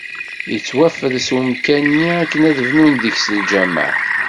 Yettwafres umkan-nni akken ad bnun deg-s lǧamaɛ.